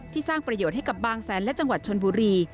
สร้างประโยชน์ให้กับบางแสนและจังหวัดชนบุรี